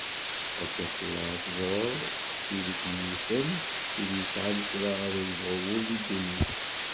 Akka tura ad teẓreḍ tid i kem-yifen, tid yesɛan kra ara yebɣu wul deg dunnit.